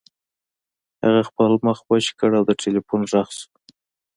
هغه خپل مخ وچ کړ او د ټیلیفون غږ شو